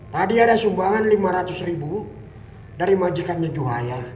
tadi ada sumbangan lima ratus ribu dari majikannya juhaya